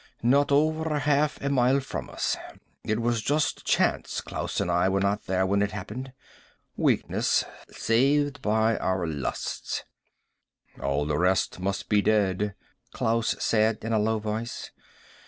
Not over half a mile from us. It was just chance Klaus and I were not there when it happened. Weakness. Saved by our lusts." "All the rest must be dead," Klaus said in a low voice.